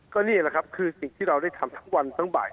ก็นี่แหละครับคือสิ่งที่เราได้ทำทั้งวันทั้งบ่าย